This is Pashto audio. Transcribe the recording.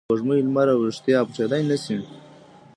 سپوږمۍ، لمر او ریښتیا پټېدای نه شي.